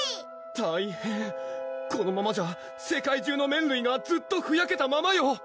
大変このままじゃ世界中の麺類がずっとふやけたままよ！